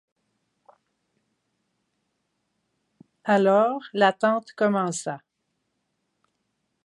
Alors, l'attente commença.